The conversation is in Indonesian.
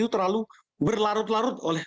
terlalu berlarut larut oleh